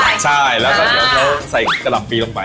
ใช่แล้วก็เดี๋ยวเขาใส่กะหล่ำปีลงไป